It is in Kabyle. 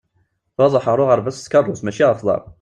Bɣiɣ ad ṛuḥeɣ ar uɣerbaz s tkeṛṛust, mačči ɣef uḍaṛ.